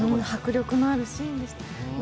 迫力のあるシーンでした。